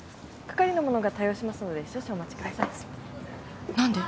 係の者が対応しますので少々お待ちください何で！？